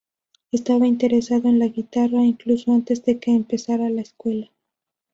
Estaba interesado en la guitarra, incluso antes de que empezara la escuela.